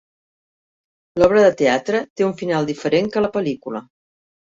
L'obra de teatre té un final diferent que la pel·lícula.